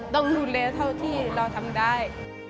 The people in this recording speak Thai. ต้องดูแลเท่าที่เราทำได้